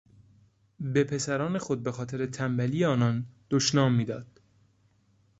به پسران خود به خاطر تنبلی آنان دشنام میداد.